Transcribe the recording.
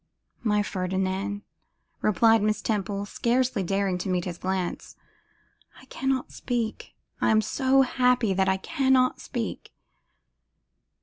'My Ferdinand,' replied Miss Temple, scarcely daring to meet his glance, 'I cannot speak; I am so happy that I cannot speak.